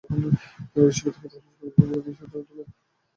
নাগরিক-সুবিধা পেতে হলে জনগণকে ভোগান্তি সহ্য করতে হবে এটা ঠিক নয়।